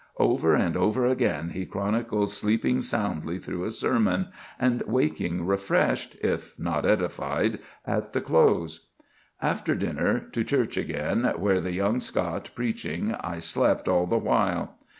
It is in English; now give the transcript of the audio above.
Over and over again he chronicles sleeping soundly through a sermon, and waking refreshed, if not edified, at the close. "After dinner, to church again, where the young Scot preaching, I slept all the while."